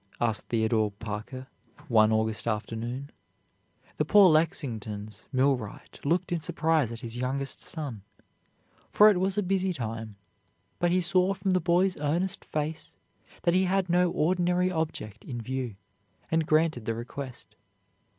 asked Theodore Parker one August afternoon. The poor Lexington millwright looked in surprise at his youngest son, for it was a busy time, but he saw from the boy's earnest face that he had no ordinary object in view, and granted the request.